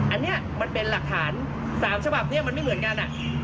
อันนี้มันเป็นหลักฐาน๓ฉบับนี้มันไม่เหมือนกัน